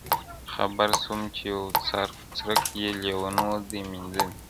خبر سوم چي یو څرک یې لېونیو دی میندلی-